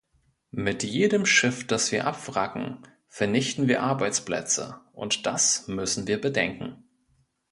Mit jedem Schiff, das wir abwracken, vernichten wir Arbeitsplätze, und das müssen wir bedenken.